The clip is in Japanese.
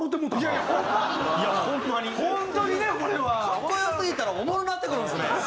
格好良すぎたらおもろなってくるんですね。